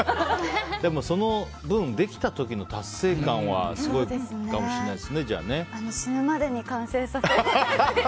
でも、その分できた時の達成感は死ぬまでに完成させたいです。